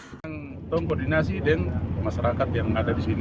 kita harus koordinasi dengan masyarakat yang ada di sini